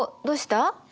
どうした？